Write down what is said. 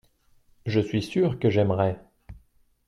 je suis sûr que j'aimerais.